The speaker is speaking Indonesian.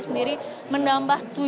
sendiri menambah tujuh